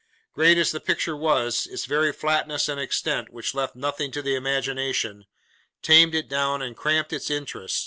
Great as the picture was, its very flatness and extent, which left nothing to the imagination, tamed it down and cramped its interest.